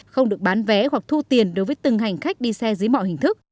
không được bán vé hoặc thu tiền đối với từng hành khách đi xe dưới mọi hình thức